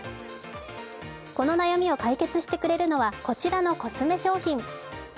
この悩みを解決してくれるのはこちらのコスメ商品。